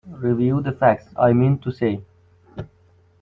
Review the facts, I mean to say.